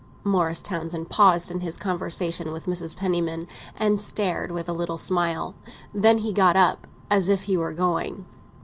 Morris Townsend paused in his conversation with Mrs. Penniman, and stared, with a little smile. Then he got up, as if he were going.